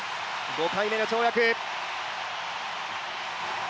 ５回目の跳躍。